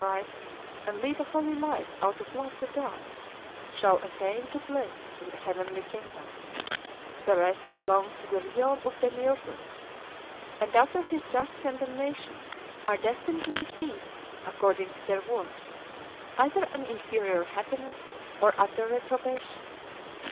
They who believe in Christ and lead a holy life out of love to God shall attain to bliss in the heavenly kingdom; the rest belong to the realm of De miurgus, and after his just condemnation are destined to receive, according to their works, either an inferior happi ness or utter reprobation.